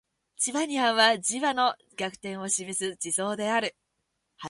チバニアンは磁場の逆転を示す地層である